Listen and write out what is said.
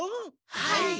はい。